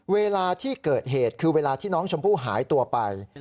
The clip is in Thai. เวลาที่เกิดเหตุคือเวลาที่น้องชมพู่หายตัวไป